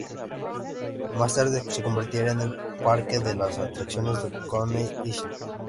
Más tarde se convertiría en el parque de atracciones de Coney Island.